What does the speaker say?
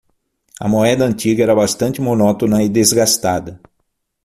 A moeda antiga era bastante monótona e desgastada.